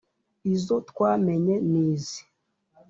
izo twamenye ni izi: